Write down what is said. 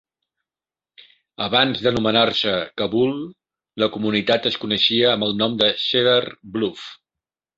Abans d'anomenar-se Cabool, la comunitat es coneixia amb el nom de Cedar Bluff.